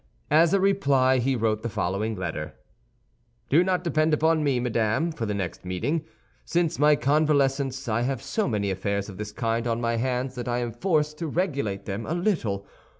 As a reply, he wrote the following letter: Do not depend upon me, madame, for the next meeting. Since my convalescence I have so many affairs of this kind on my hands that I am forced to regulate them a little.